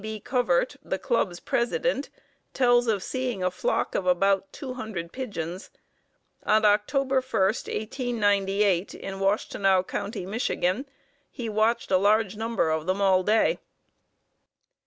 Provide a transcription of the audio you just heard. B. Covert, the club's president, tells of seeing a flock of about two hundred pigeons. On Oct. 1, 1898, in Washtenaw County, Mich., he watched a large number of them all day.